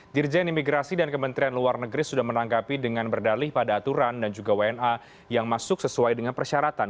dirjen imigrasi dan kementerian luar negeri sudah menanggapi dengan berdalih pada aturan dan juga wna yang masuk sesuai dengan persyaratan